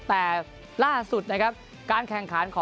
แต่ล่าสุดนะครับการแข่งขันของ